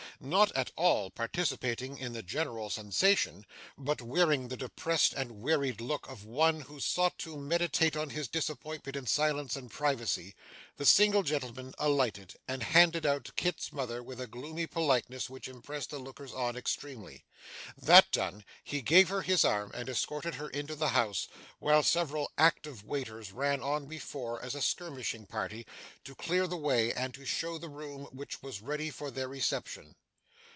Not at all participating in the general sensation, but wearing the depressed and wearied look of one who sought to meditate on his disappointment in silence and privacy, the single gentleman alighted, and handed out Kit's mother with a gloomy politeness which impressed the lookers on extremely. That done, he gave her his arm and escorted her into the house, while several active waiters ran on before as a skirmishing party, to clear the way and to show the room which was ready for their reception.